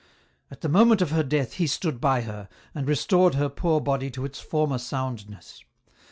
" At the moment of her death He stood by her, and re stored her poor body to its former soundness.